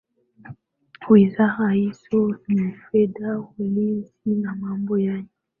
Wizara hizo ni Fedha Ulinzi na Mambo ya Nje